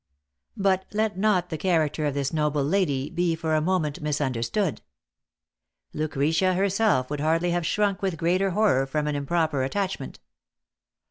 But let not the character of this noble lady be for a moment misunderstood. Lucretia herself would hardly have shrunk with greater horror from an improper attachment.